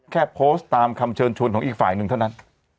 แค่โพสต์ตามคำเชิญชวนของอีกฝ่ายหนึ่งเท่านั้น